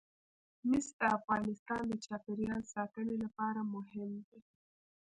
مس د افغانستان د چاپیریال ساتنې لپاره مهم دي.